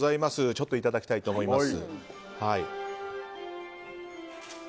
ちょっといただきたいと思います。